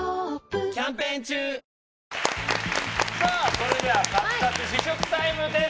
それではカツカツ試食タイムです。